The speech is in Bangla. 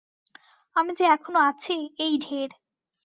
আমি যে এখনো আছি, এই ঢের।